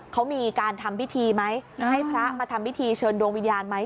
เขามีการทำพิธีไหมให้พระมาทำพิธีเชิญดวงวิญญาณไหม